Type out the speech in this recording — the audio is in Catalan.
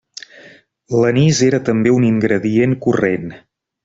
L'anís era també un ingredient corrent.